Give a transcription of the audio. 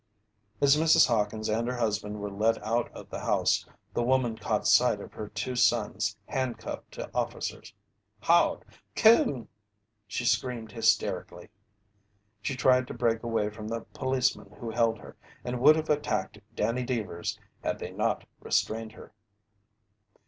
As Mrs. Hawkins and her husband were led out of the house, the woman caught sight of her two sons handcuffed to officers. "Hod! Coon!" she screamed hysterically. She tried to break away from the policemen who held her, and would have attacked Danny Deevers had they not restrained her.